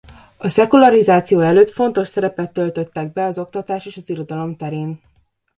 A szekularizáció előtt fontos szerepet töltöttek be az oktatás és az irodalom terén.